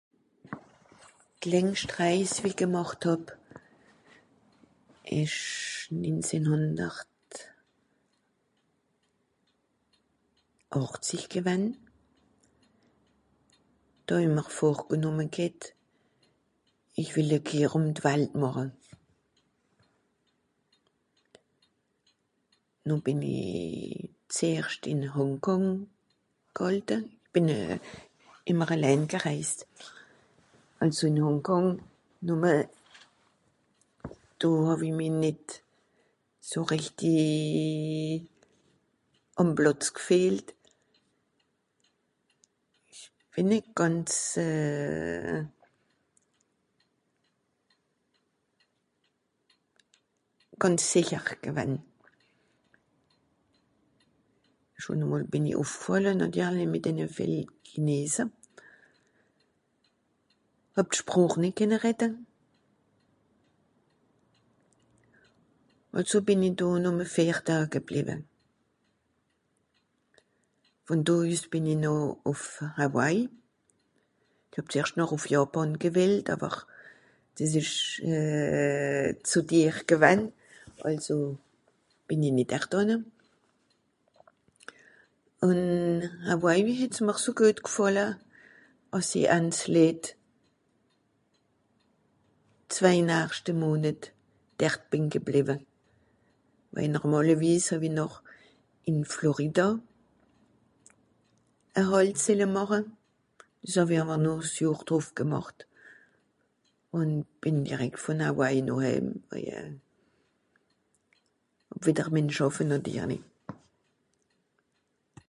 d'Längscht Rèis, wie i gemàcht hàb ìsch niinzehn-hùndert-àchzisch gewänn. Do hän m'r vorgenùmme ghet : ìch wìll e Kehr ùm d'Walt màche. Noh bìn i zeerscht ìn Hong Kong ghàlte, bìn ìmmer elään gerèist. Àlso ìn Hong Kong, nùmme, do hà-w-i mi nìt so rechti àm Plàtz gfìehlt. Ìch bìn nìt gànz euh... gànz sìcher gewänn. Schùn emol bìn i ùfgfàlle nàtirli mìt denne vìel Chinese, hàb d'Sproch nìt kenne redde. Àlso bìn i do numme vìer daa gebliwe. Von do üs bìn i noh ùf Hawaï. Hàb erscht noch ùf Jàpàn gewìllt àwer, dìs ìsch euh... zù tir gewann. Àlso bìn i nìt dert ànne. Ùn Hawaï het's m'r so gfàlle, àss i Ands Lied d'zwei nachschte Monet dert bìn gebliwe. Waje normàlewis hà-w-i noch ìn Florida e Hàlt selle màche. Dìs hà-w-i àwer noh s'Johr druf gemàcht, ùn bìn direkt von Hawaï noh hääm, waje... hàb wìdder müen schàffe nàtirli.